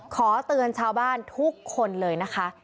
ขอเตือนชาวบ้านทุกคนเลยนะคะ